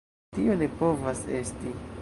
Tio ne povas esti!